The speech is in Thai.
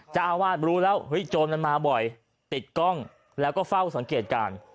เจ้าอาวาสรู้แล้วเฮ้ยโจรมันมาบ่อยติดกล้องแล้วก็เฝ้าสังเกตการณ์